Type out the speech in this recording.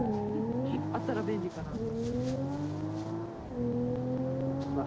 あったら便利かなと。